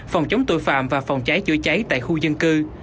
phòng chống tội phạm và phòng cháy chữa cháy tại khu dân cư